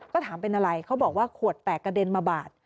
ก็ถามเป็นอะไรเขาบอกว่าขวดแตกกระเด็นมาบาด